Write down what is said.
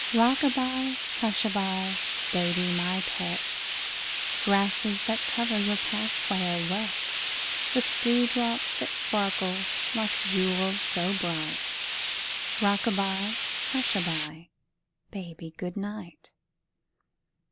Rock a by, hush a by, baby, my pet, Grasses that cover your pathway are wet With dewdrops that sparkle like jewels so bright, Rock a by, hush a by, baby, good night.